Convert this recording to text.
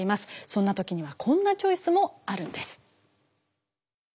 そんなときにはこんなチョイスもあるんです。